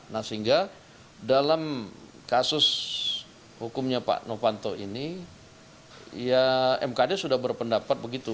nah sehingga dalam kasus hukumnya pak novanto ini ya mkd sudah berpendapat begitu